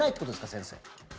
先生。